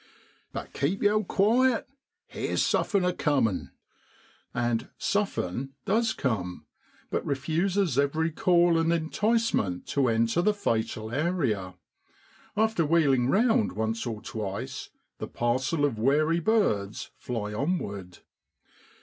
* But keep yow quiet ; here's suffin a comin' ' And ' suffin ' does come, but refuses every call and enticement to enter the fatal area; after wheeling round once or twice the parcel of wary birds fly onward.